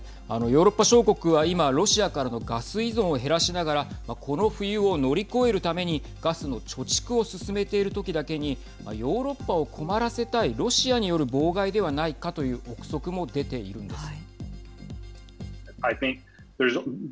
ヨーロッパ諸国は今ロシアからのガス依存を減らしながらこの冬を乗り越えるためにガスの貯蓄を進めている時だけにヨーロッパを困らせたいロシアによる妨害ではないかという臆測も出ているんです。